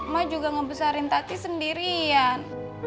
ma juga ngebesarin tati sendirian